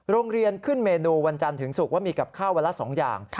โรงเรียนขึ้นเมนูวันจันทร์ถึงศุกร์ว่ามีกับข้าววันละ๒อย่าง